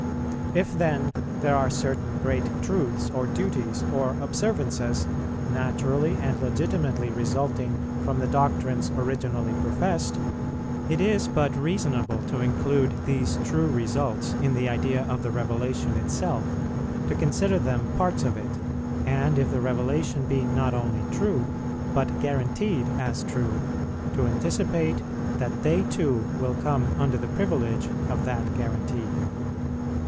If then there are certain great truths, or duties, or observances, naturally and legitimately resulting from the doctrines originally professed, it is but reasonable to include these true results in the idea of the revelation itself, to consider them parts of it, and if the revelation be not only true, but guaranteed as true, to anticipate that they too will come under the privilege of that guarantee.